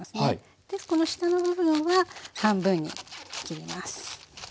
でこの下の部分は半分に切ります。